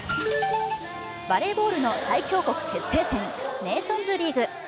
バレーボールの最強国決定戦ネーションズリーグ。